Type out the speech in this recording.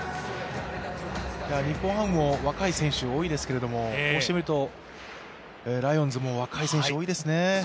日本ハムも若い選手が多いですけど、こうして見るとライオンズも若い選手、多いですね。